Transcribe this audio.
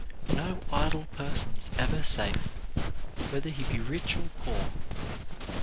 No idle person is ever safe, whether he be rich or poor.